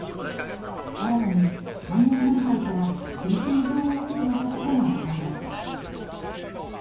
新たに関連団体から推薦状を受けていたことが分かりました。